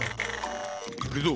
いくぞ。